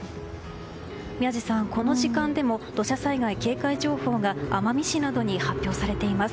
宮司さん、この時間でも土砂災害警戒情報が奄美市などに発表されています。